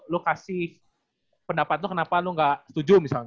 lu kasih pendapat lu kenapa lu gak setuju misalnya